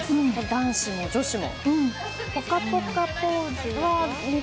男子も女子も。